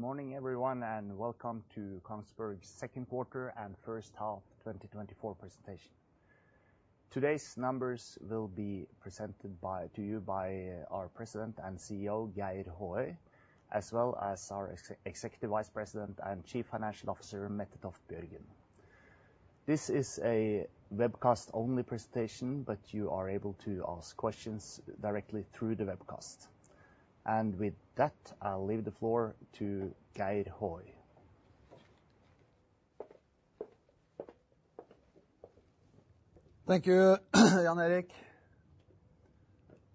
Good morning, everyone, and welcome to Kongsberg's second quarter and first half 2024 presentation. Today's numbers will be presented to you by our President and CEO, Geir Håøy, as well as our Executive Vice President and Chief Financial Officer, Mette Toft Bjørgen. This is a webcast-only presentation, but you are able to ask questions directly through the webcast. With that, I'll leave the floor to Geir Håøy. Thank you, Jan Erik.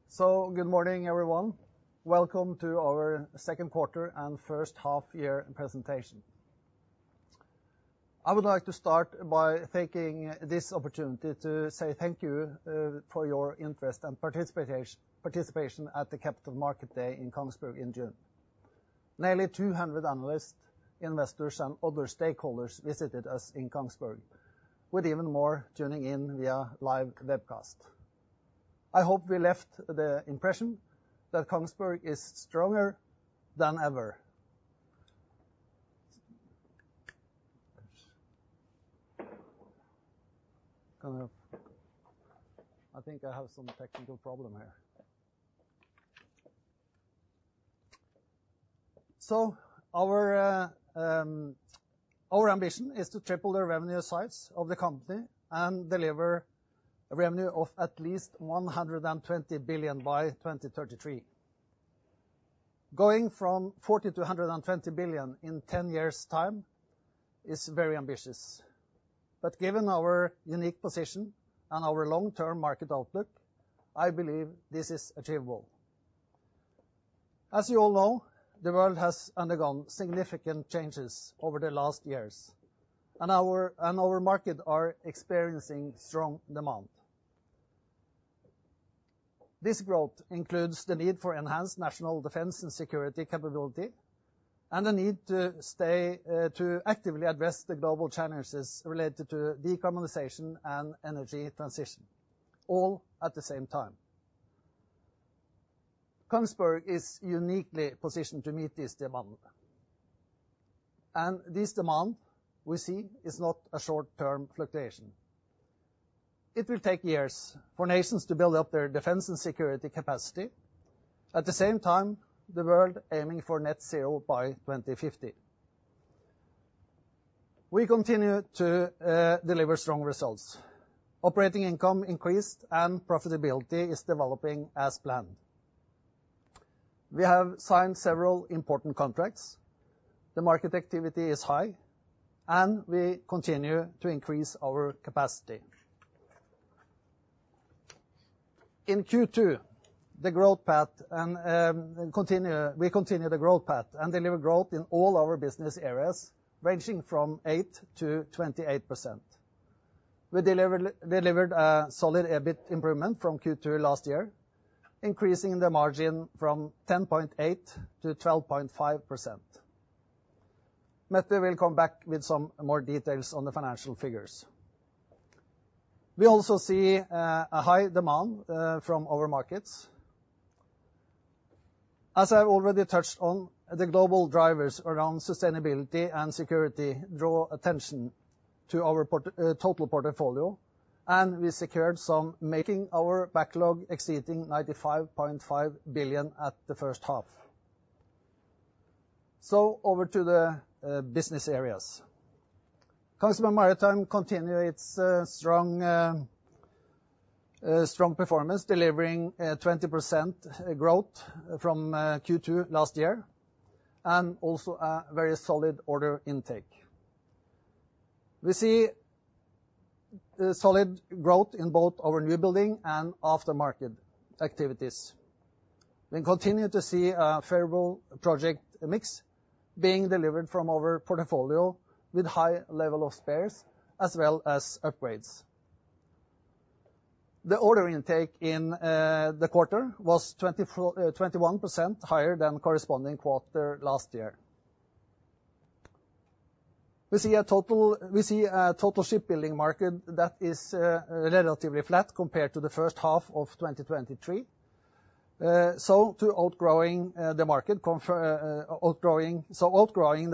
So, good morning, everyone. Welcome to our second quarter and first half year presentation. I would like to start by taking this opportunity to say thank you for your interest and participation at the Capital Market Day in Kongsberg in June. Nearly 200 analysts, investors, and other stakeholders visited us in Kongsberg, with even more tuning in via live webcast. I hope we left the impression that Kongsberg is stronger than ever. I think I have some technical problem here. So, our ambition is to triple the revenue size of the company and deliver a revenue of at least 120 billion by 2033. Going from 40 billion to 120 billion in 10 years' time is very ambitious. But given our unique position and our long-term market outlook, I believe this is achievable. As you all know, the world has undergone significant changes over the last years, and our market is experiencing strong demand. This growth includes the need for enhanced national defense and security capability, and the need to actively address the global challenges related to decarbonization and energy transition, all at the same time. Kongsberg is uniquely positioned to meet this demand. This demand, we see, is not a short-term fluctuation. It will take years for nations to build up their defense and security capacity, at the same time the world aiming for net zero by 2050. We continue to deliver strong results. Operating income increased, and profitability is developing as planned. We have signed several important contracts. The market activity is high, and we continue to increase our capacity. In Q2, the growth path, and we continue the growth path and deliver growth in all our business areas, ranging from 8%-28%. We delivered a solid EBIT improvement from Q2 last year, increasing the margin from 10.8%-12.5%. Mette will come back with some more details on the financial figures. We also see a high demand from our markets. As I've already touched on, the global drivers around sustainability and security draw attention to our total portfolio, and we secured some making our backlog exceeding 95.5 billion at the first half. So, over to the business areas. Kongsberg Maritime continues its strong performance, delivering 20% growth from Q2 last year, and also a very solid order intake. We see solid growth in both our new building and aftermarket activities. We continue to see a favorable project mix being delivered from our portfolio, with high levels of spares as well as upgrades. The order intake in the quarter was 21% higher than the corresponding quarter last year. We see a total shipbuilding market that is relatively flat compared to the first half of 2023. So, outgrowing the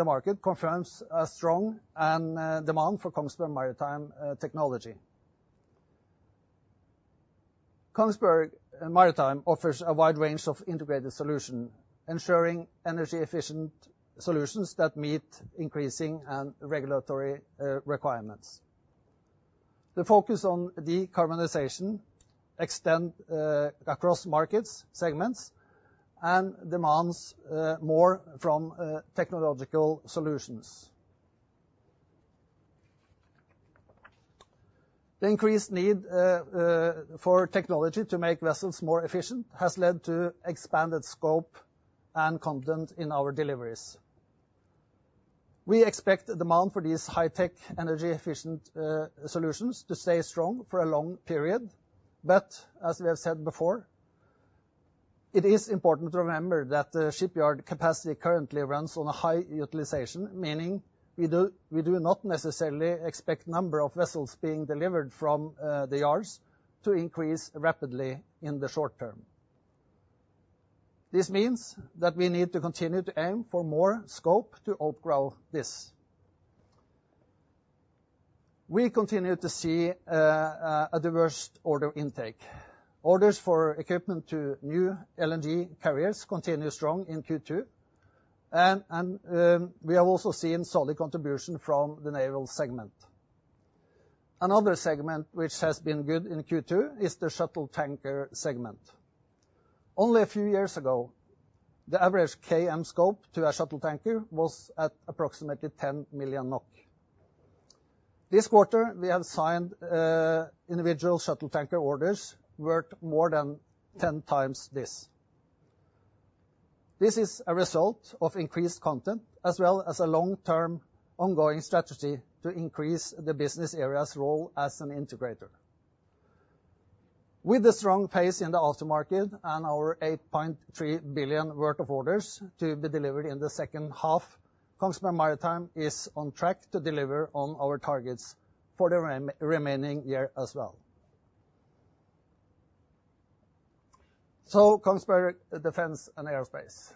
market confirms a strong demand for Kongsberg Maritime technology. Kongsberg Maritime offers a wide range of integrated solutions, ensuring energy-efficient solutions that meet increasing regulatory requirements. The focus on decarbonization extends across market segments and demands more from technological solutions. The increased need for technology to make vessels more efficient has led to expanded scope and content in our deliveries. We expect the demand for these high-tech, energy-efficient solutions to stay strong for a long period. As we have said before, it is important to remember that the shipyard capacity currently runs on a high utilization, meaning we do not necessarily expect the number of vessels being delivered from the yards to increase rapidly in the short term. This means that we need to continue to aim for more scope to outgrow this. We continue to see a diverse order intake. Orders for equipment to new LNG carriers continue strong in Q2, and we have also seen solid contributions from the naval segment. Another segment which has been good in Q2 is the shuttle tanker segment. Only a few years ago, the average KM scope to a shuttle tanker was at approximately 10 million NOK. This quarter, we have signed individual shuttle tanker orders worth more than 10 times this. This is a result of increased content, as well as a long-term ongoing strategy to increase the business area's role as an integrator. With the strong pace in the aftermarket and our 8.3 billion worth of orders to be delivered in the second half, Kongsberg Maritime is on track to deliver on our targets for the remaining year as well. So, Kongsberg Defence & Aerospace.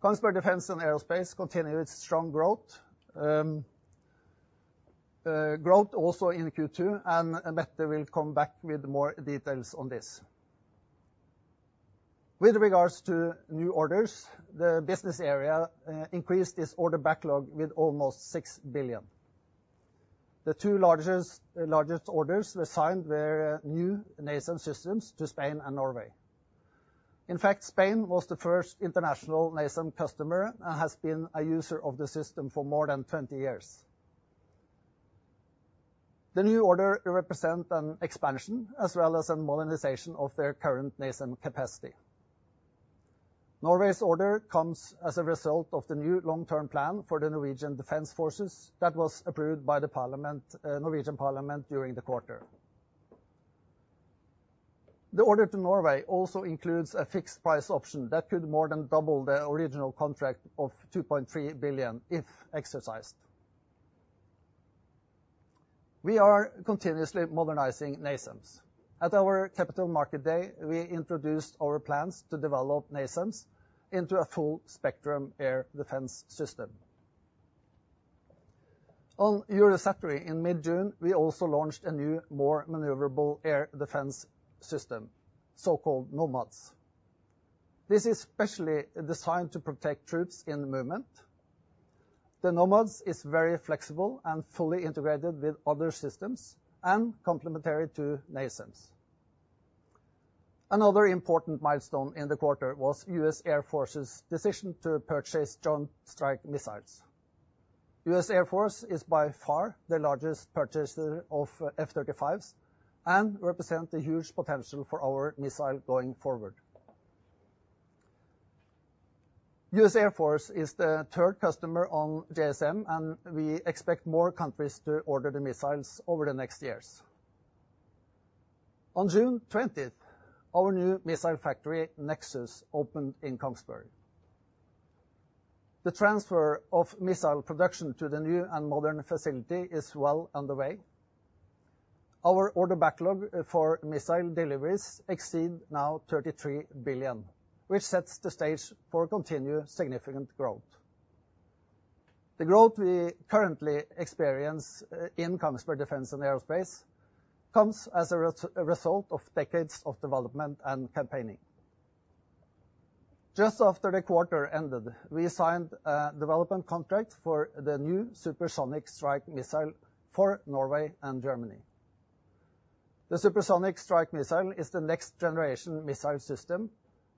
Kongsberg Defence & Aerospace continues strong growth, also in Q2, and Mette will come back with more details on this. With regards to new orders, the business area increased its order backlog with almost 6 billion. The two largest orders were signed by new NASAMS systems to Spain and Norway. In fact, Spain was the first international NASAMS customer and has been a user of the system for more than 20 years. The new order represents an expansion as well as a modernization of their current NASAMS capacity. Norway's order comes as a result of the new long-term plan for the Norwegian Defense Forces that was approved by the Norwegian Parliament during the quarter. The order to Norway also includes a fixed-price option that could more than double the original contract of 2.3 billion if exercised. We are continuously modernizing NASAMS. At our Capital Market Day, we introduced our plans to develop NASAMS into a full-spectrum air defense system. On Eurosatory, in mid-June, we also launched a new, more maneuverable air defense system, so-called NOMADS. This is specially designed to protect troops in movement. The NOMADS is very flexible and fully integrated with other systems and complementary to NASAMS. Another important milestone in the quarter was U.S. Air Force's decision to purchase Joint Strike Missiles. U.S. Air Force is by far the largest purchaser of F-35s and represents a huge potential for our missile going forward. U.S. Air Force is the third customer on JSM, and we expect more countries to order the missiles over the next years. On June 20, our new missile factory, Nexus, opened in Kongsberg. The transfer of missile production to the new and modern facility is well underway. Our order backlog for missile deliveries exceeds now 33 billion, which sets the stage for continued significant growth. The growth we currently experience in Kongsberg Defence & Aerospace comes as a result of decades of development and campaigning. Just after the quarter ended, we signed a development contract for the new supersonic strike missile for Norway and Germany. The supersonic strike missile is the next-generation missile system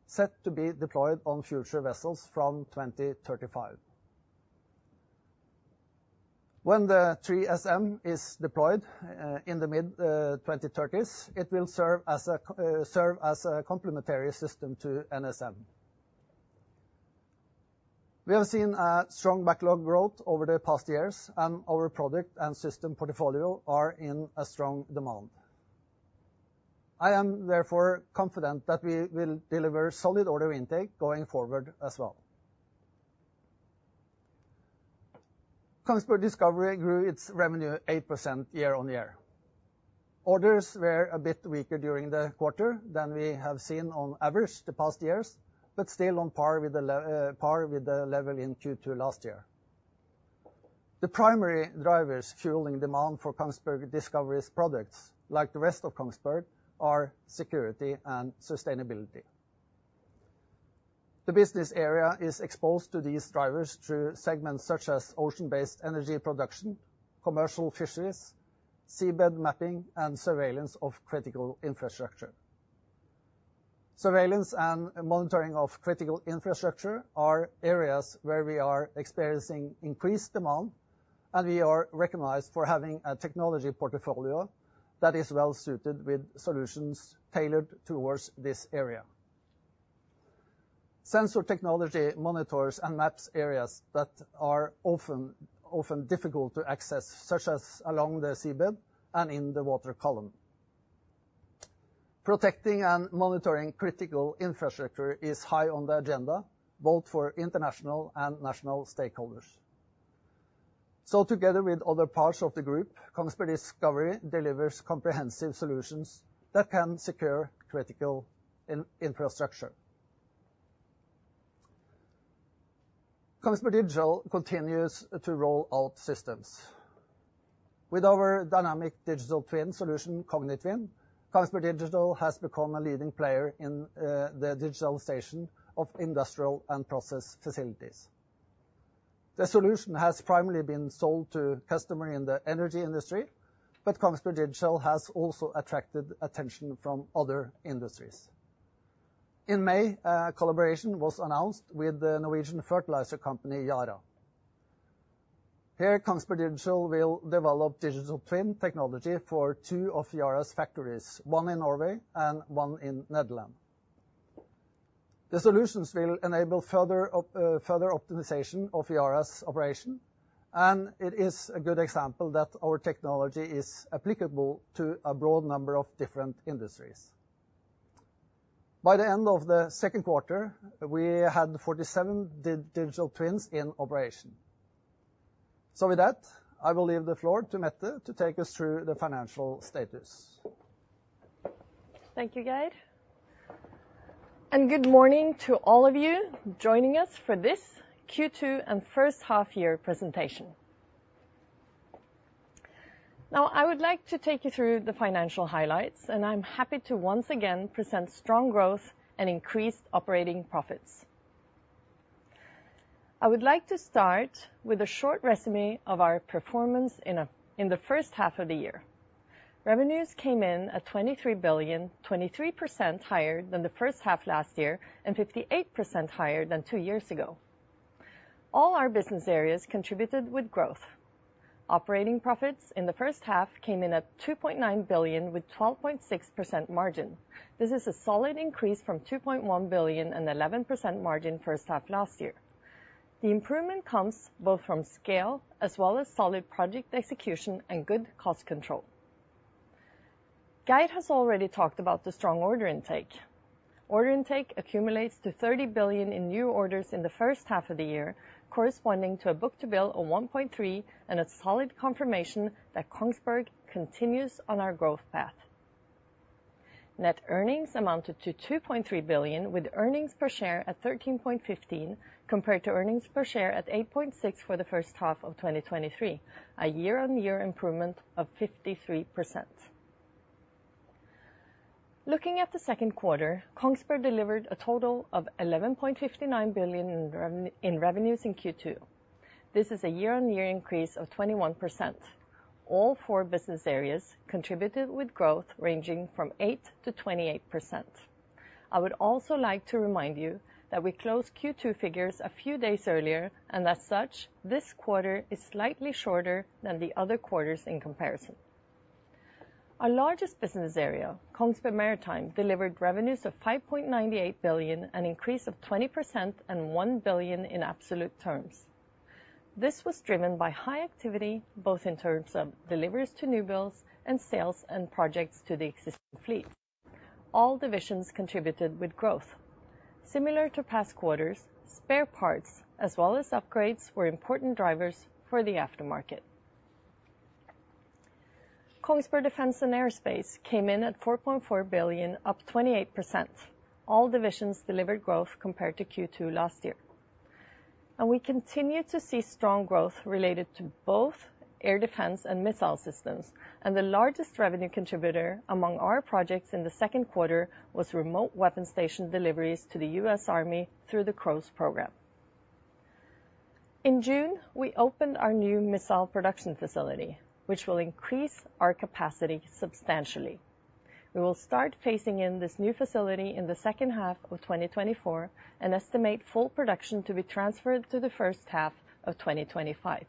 set to be deployed on future vessels from 2035. When the 3SM is deployed in the mid-2030s, it will serve as a complementary system to NSM. We have seen a strong backlog growth over the past years, and our product and system portfolio are in strong demand. I am therefore confident that we will deliver solid order intake going forward as well. Kongsberg Discovery grew its revenue 8% year-over-year. Orders were a bit weaker during the quarter than we have seen on average the past years, but still on par with the level in Q2 last year. The primary drivers fueling demand for Kongsberg Discovery's products, like the rest of Kongsberg, are security and sustainability. The business area is exposed to these drivers through segments such as ocean-based energy production, commercial fisheries, seabed mapping, and surveillance of critical infrastructure. Surveillance and monitoring of critical infrastructure are areas where we are experiencing increased demand, and we are recognized for having a technology portfolio that is well-suited with solutions tailored towards this area. Sensor technology monitors and maps areas that are often difficult to access, such as along the seabed and in the water column. Protecting and monitoring critical infrastructure is high on the agenda, both for international and national stakeholders. So, together with other parts of the group, Kongsberg Discovery delivers comprehensive solutions that can secure critical infrastructure. Kongsberg Digital continues to roll out systems. With our dynamic digital twin solution, Cognitwin, Kongsberg Digital has become a leading player in the digitalization of industrial and process facilities. The solution has primarily been sold to customers in the energy industry, but Kongsberg Digital has also attracted attention from other industries. In May, a collaboration was announced with the Norwegian fertilizer company Yara. Here, Kongsberg Digital will develop digital twin technology for two of Yara's factories, one in Norway and one in the Netherlands. The solutions will enable further optimization of Yara's operation, and it is a good example that our technology is applicable to a broad number of different industries. By the end of the second quarter, we had 47 digital twins in operation. So, with that, I will leave the floor to Mette to take us through the financial status. Thank you, Geir. Good morning to all of you joining us for this Q2 and first half-year presentation. Now, I would like to take you through the financial highlights, and I'm happy to once again present strong growth and increased operating profits. I would like to start with a short résumé of our performance in the first half of the year. Revenues came in at 23 billion, 23% higher than the first half last year and 58% higher than two years ago. All our business areas contributed with growth. Operating profits in the first half came in at 2.9 billion with 12.6% margin. This is a solid increase from 2.1 billion and 11% margin first half last year. The improvement comes both from scale as well as solid project execution and good cost control. Geir has already talked about the strong order intake. Order intake accumulates to 30 billion in new orders in the first half of the year, corresponding to a book-to-bill of 1.3 and a solid confirmation that Kongsberg continues on our growth path. Net earnings amounted to 2.3 billion, with earnings per share at 13.15 compared to earnings per share at 8.6 for the first half of 2023, a year-on-year improvement of 53%. Looking at the second quarter, Kongsberg delivered a total of 11.59 billion in revenues in Q2. This is a year-on-year increase of 21%. All four business areas contributed with growth ranging from 8%-28%. I would also like to remind you that we closed Q2 figures a few days earlier, and as such, this quarter is slightly shorter than the other quarters in comparison. Our largest business area, Kongsberg Maritime, delivered revenues of 5.98 billion, an increase of 20% and 1 billion in absolute terms. This was driven by high activity, both in terms of deliveries to new builds and sales and projects to the existing fleet. All divisions contributed with growth. Similar to past quarters, spare parts as well as upgrades were important drivers for the aftermarket. Kongsberg Defence & Aerospace came in at 4.4 billion, up 28%. All divisions delivered growth compared to Q2 last year. And we continue to see strong growth related to both air defense and missile systems, and the largest revenue contributor among our projects in the second quarter was remote weapon station deliveries to the U.S. Army through the CROWS program. In June, we opened our new missile production facility, which will increase our capacity substantially. We will start phasing in this new facility in the second half of 2024 and estimate full production to be transferred to the first half of 2025.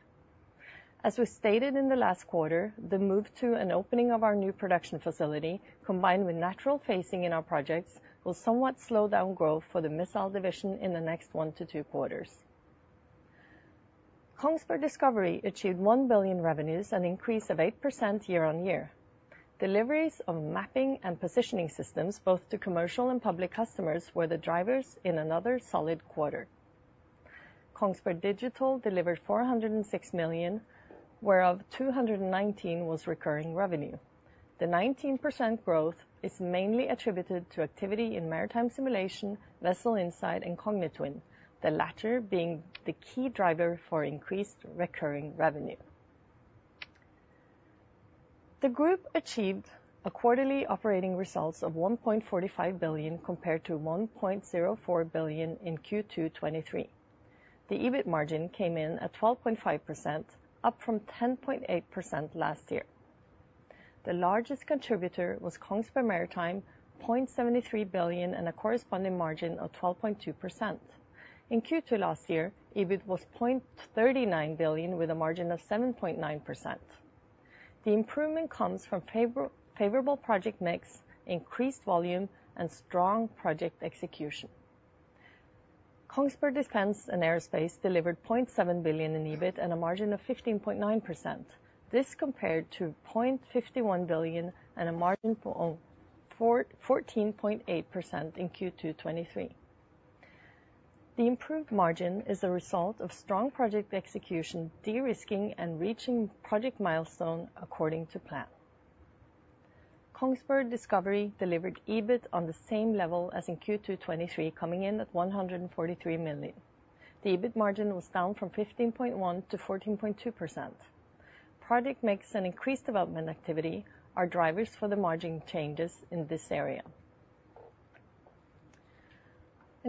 As we stated in the last quarter, the move to and opening of our new production facility, combined with natural phasing in our projects, will somewhat slow down growth for the missile division in the next one to two quarters. Kongsberg Discovery achieved 1 billion revenues, an increase of 8% year-on-year. Deliveries of mapping and positioning systems both to commercial and public customers were the drivers in another solid quarter. Kongsberg Digital delivered 406 million, whereof 219 million was recurring revenue. The 19% growth is mainly attributed to activity in maritime simulation, Vessel Insight, and Cognitwin, the latter being the key driver for increased recurring revenue. The group achieved a quarterly operating results of 1.45 billion compared to 1.04 billion in Q2 2023. The EBIT margin came in at 12.5%, up from 10.8% last year. The largest contributor was Kongsberg Maritime, 0.73 billion and a corresponding margin of 12.2%. In Q2 last year, EBIT was 0.39 billion with a margin of 7.9%. The improvement comes from favorable project mix, increased volume, and strong project execution. Kongsberg Defense & Aerospace delivered 0.7 billion in EBIT and a margin of 15.9%. This compared to 0.51 billion and a margin of 14.8% in Q2 2023. The improved margin is a result of strong project execution, de-risking, and reaching project milestones according to plan. Kongsberg Discovery delivered EBIT on the same level as in Q2 2023, coming in at 143 million. The EBIT margin was down from 15.1% to 14.2%. Project mix and increased development activity are drivers for the margin changes in this area.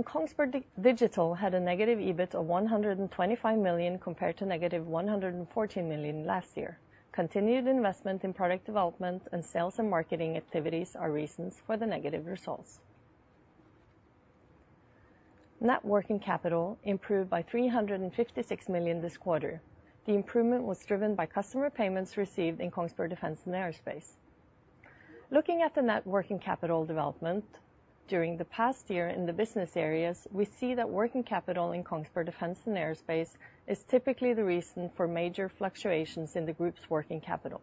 Kongsberg Digital had a negative EBIT of 125 million compared to negative 114 million last year. Continued investment in product development and sales and marketing activities are reasons for the negative results. Net working capital improved by 356 million this quarter. The improvement was driven by customer payments received in Kongsberg Defence & Aerospace. Looking at the net working capital development during the past year in the business areas, we see that working capital in Kongsberg Defence & Aerospace is typically the reason for major fluctuations in the group's working capital.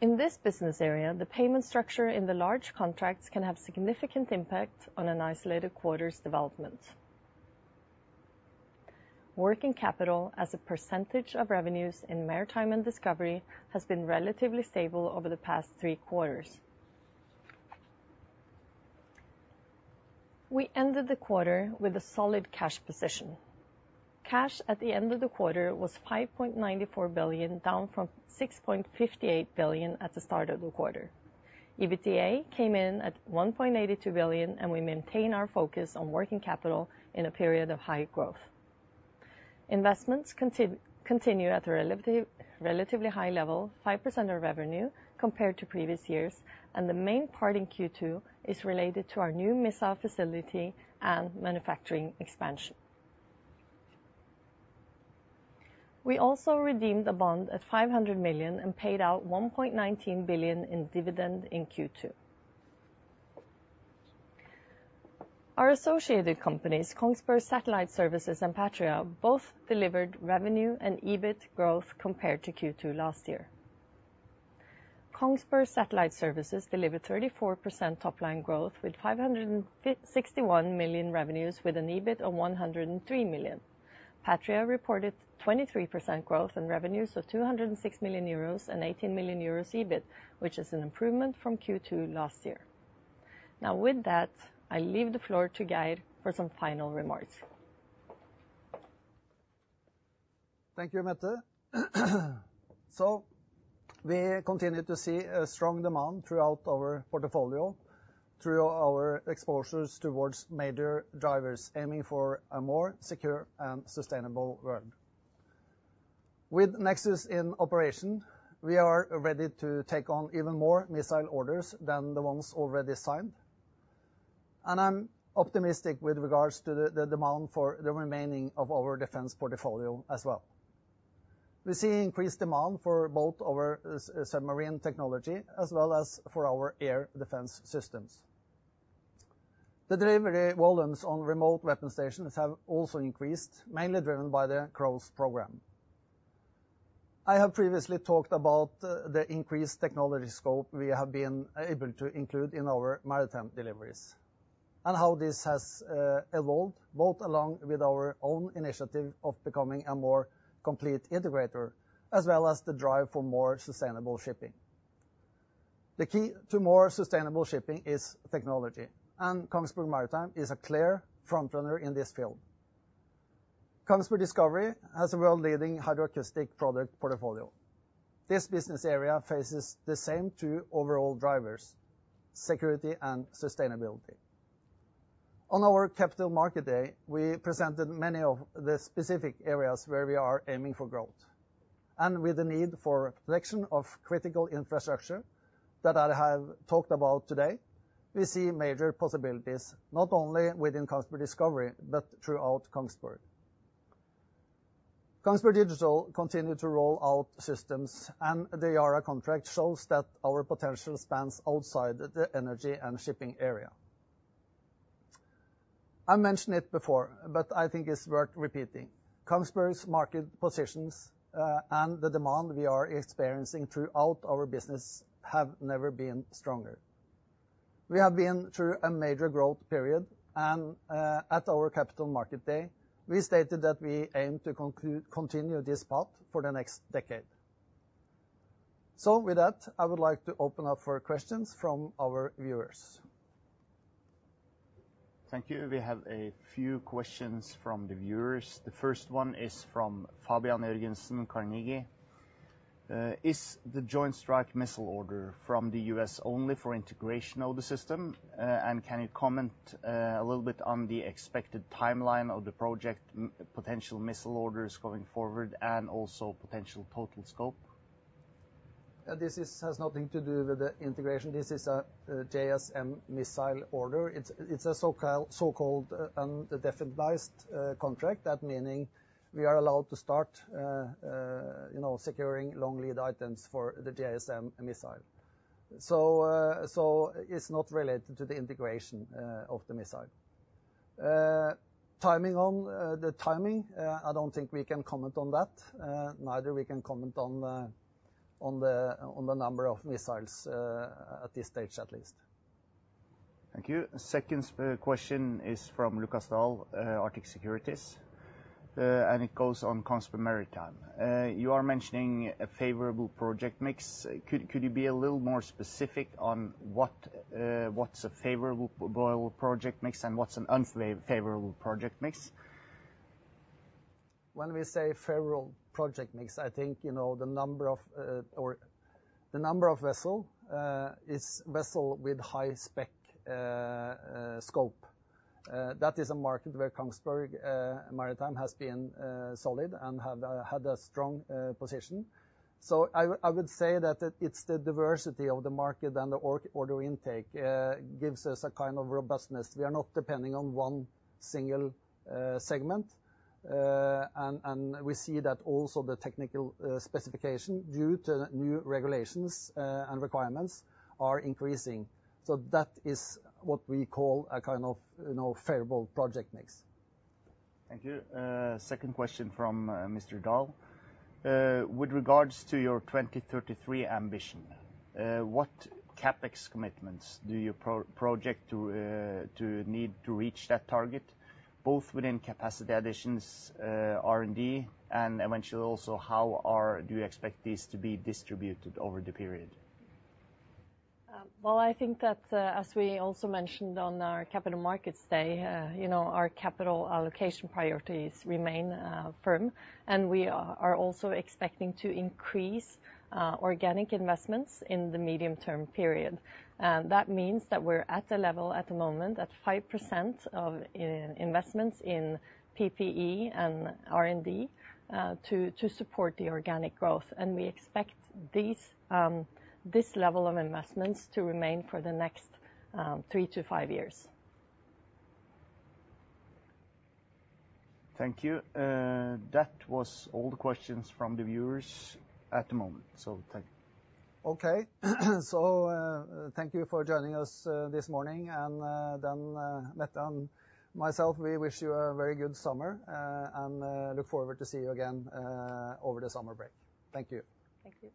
In this business area, the payment structure in the large contracts can have significant impact on an isolated quarter's development. Working capital as a percentage of revenues in Maritime and Discovery has been relatively stable over the past three quarters. We ended the quarter with a solid cash position. Cash at the end of the quarter was 5.94 billion, down from 6.58 billion at the start of the quarter. EBITDA came in at 1.82 billion, and we maintain our focus on working capital in a period of high growth. Investments continue at a relatively high level, 5% of revenue compared to previous years, and the main part in Q2 is related to our new missile facility and manufacturing expansion. We also redeemed a bond at 500 million and paid out 1.19 billion in dividend in Q2. Our associated companies, Kongsberg Satellite Services and Patria, both delivered revenue and EBIT growth compared to Q2 last year. Kongsberg Satellite Services delivered 34% top-line growth with 561 million revenues, with an EBIT of 103 million. Patria reported 23% growth in revenues of 206 million euros and 18 million euros EBIT, which is an improvement from Q2 last year. Now, with that, I leave the floor to Geir for some final remarks. Thank you, Mette. So, we continue to see a strong demand throughout our portfolio, through our exposures towards major drivers, aiming for a more secure and sustainable world. With Nexus in operation, we are ready to take on even more missile orders than the ones already signed, and I'm optimistic with regards to the demand for the remaining of our defense portfolio as well. We see increased demand for both our submarine technology as well as for our air defense systems. The delivery volumes on remote weapon stations have also increased, mainly driven by the CROWS program. I have previously talked about the increased technology scope we have been able to include in our maritime deliveries and how this has evolved, both along with our own initiative of becoming a more complete integrator, as well as the drive for more sustainable shipping. The key to more sustainable shipping is technology, and Kongsberg Maritime is a clear front-runner in this field. Kongsberg Discovery has a world-leading hydroacoustic product portfolio. This business area faces the same two overall drivers: security and sustainability. On our Capital Market Day, we presented many of the specific areas where we are aiming for growth, and with the need for protection of critical infrastructure that I have talked about today, we see major possibilities not only within Kongsberg Discovery but throughout Kongsberg. Kongsberg Digital continues to roll out systems, and the Yara contract shows that our potential spans outside the energy and shipping area. I mentioned it before, but I think it's worth repeating. Kongsberg's market positions and the demand we are experiencing throughout our business have never been stronger. We have been through a major growth period, and at our Capital Market Day, we stated that we aim to continue this path for the next decade. So, with that, I would like to open up for questions from our viewers. Thank you. We have a few questions from the viewers. The first one is from Fabian Jørgensen, Carnegie. Is the Joint Strike Missile order from the U.S. only for integration of the system? And can you comment a little bit on the expected timeline of the project, potential missile orders going forward, and also potential total scope? This has nothing to do with the integration. This is a JSM missile order. It's a so-called undefined contract, that meaning we are allowed to start, you know, securing long lead items for the JSM missile. So, it's not related to the integration of the missile. Timing on the timing, I don't think we can comment on that. Neither can we comment on the number of missiles at this stage, at least. Thank you. Second question is from Lukas Daul, Arctic Securities, and it goes on Kongsberg Maritime. You are mentioning a favorable project mix. Could you be a little more specific on what's a favorable project mix and what's an unfavorable project mix? When we say favorable project mix, I think, you know, the number of vessels is vessels with high spec scope. That is a market where Kongsberg Maritime has been solid and has had a strong position. So, I would say that it's the diversity of the market and the order intake that gives us a kind of robustness. We are not depending on one single segment, and we see that also the technical specification due to new regulations and requirements is increasing. So, that is what we call a kind of, you know, favorable project mix. Thank you. Second question from Mr. Daul. With regards to your 2033 ambition, what CapEx commitments do you project to need to reach that target, both within capacity additions, R&D, and eventually also how do you expect these to be distributed over the period? Well, I think that, as we also mentioned on our Capital Markets Day, you know, our capital allocation priorities remain firm, and we are also expecting to increase organic investments in the medium-term period. And that means that we're at a level at the moment at 5% of investments in PPE and R&D to support the organic growth, and we expect this level of investments to remain for the next three to five years. Thank you. That was all the questions from the viewers at the moment, so thank you. Okay, so thank you for joining us this morning, and then, Mette and myself, we wish you a very good summer and look forward to seeing you again over the summer break. Thank you. Thank you.